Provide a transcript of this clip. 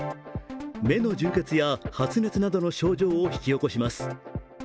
目の充血や発熱などの症状を引き起こします。